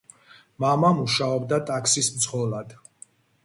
მამა მუშაობდა ტაქსის მძღოლად.